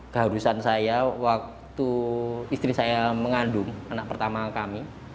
keharusan saya waktu istri saya mengandung anak pertama kami